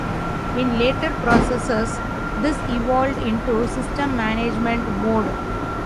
In later processors, this evolved into System Management Mode.